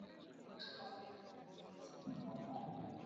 wote wanakubali na kufurahia msimamo wa aina hiyo Wengine